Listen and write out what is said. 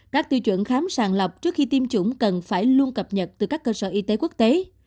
các tiêu chuẩn khám sàng lọc trước khi tiêm chủng cần phải luôn cập nhật từ các cơ sở y tế quốc tế